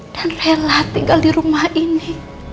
dan rela tinggal di rumah ini